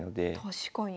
確かに。